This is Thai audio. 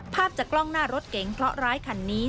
ภาพจากกล้องหน้ารถเก๋งเคราะหร้ายคันนี้